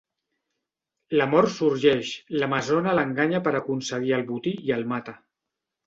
L'amor sorgeix, l'amazona l'enganya per aconseguir el botí i el mata.